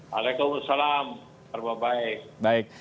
waalaikumsalam harba baik